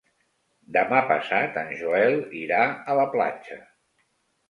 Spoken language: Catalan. Demà passat en Joel irà a la platja.